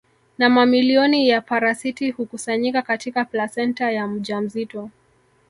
Na mamilioni ya parasiti hukusanyika katika plasenta ya mjamzito